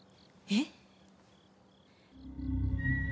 えっ？